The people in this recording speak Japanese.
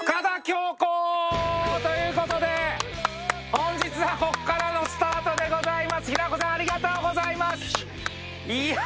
本日はここからのスタートでございます平子さんありがとうございます。